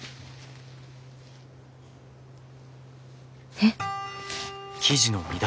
えっ！？